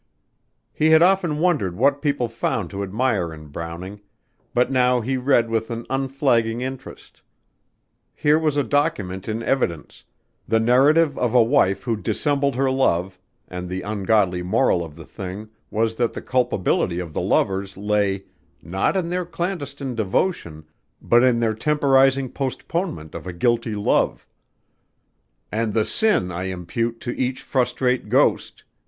He had often wondered what people found to admire in Browning, but now he read with an unflagging interest. Here was a document in evidence: the narrative of a wife who dissembled her love and the ungodly moral of the thing was that the culpability of the lovers lay not in their clandestine devotion but in their temporizing postponement of a guilty love: "And the sin I impute to each frustrate ghost